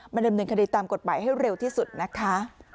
ดำเนินคดีตามกฎหมายให้เร็วที่สุดนะคะ